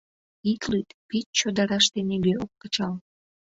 Ит лӱд, пич чодыраште нигӧ ок кычал.